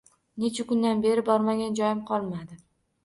Necha kundan beri bormagan joyim qolmadi